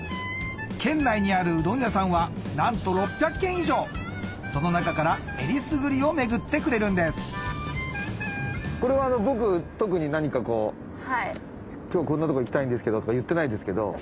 県内にあるうどん屋さんはなんと６００軒以上その中からえりすぐりを巡ってくれるんですこれは僕特に何かこう「今日こんなとこ行きたいんですけど」とか言ってないですけど。